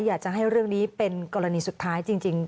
อยากจะให้เรื่องนี้เป็นกรณีสุดท้ายจริง